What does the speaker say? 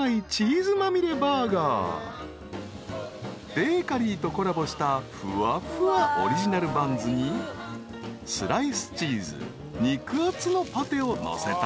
［ベーカリーとコラボしたふわふわオリジナルバンズにスライスチーズ肉厚のパテをのせたら］